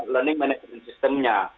learning management systemnya